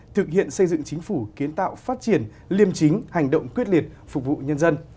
thực hiện xây dựng chính phủ kiến tạo phát triển liêm chính hành động quyết liệt phục vụ nhân dân